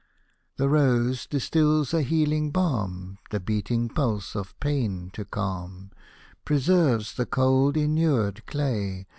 The rose distils a healing balm, The beating pulse of pain to calm ; Preserves the cold inumed clay.